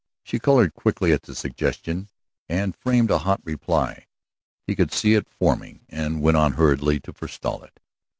She colored quickly at the suggestion, and framed a hot reply. He could see it forming, and went on hurriedly to forestall it.